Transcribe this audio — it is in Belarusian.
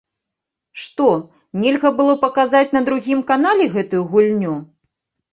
Што, нельга было паказаць на другім канале гэтую гульню?